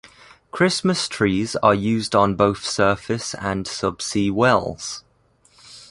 Christmas trees are used on both surface and subsea wells.